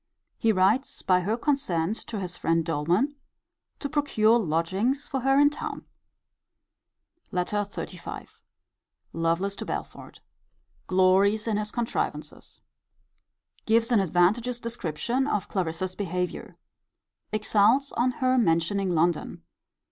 He writes by her consent to his friend Doleman, to procure lodgings for her in town. LETTER XXXV. Lovelace to Belford. Glories in his contrivances. Gives an advantageous description of Clarissa's behaviour. Exults on her mentioning London.